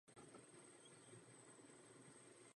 Také se zde konaly veřejné popravy.